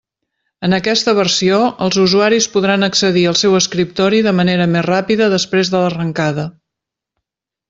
En aquesta versió els usuaris podran accedir al seu escriptori de manera més ràpida després de l'arrencada.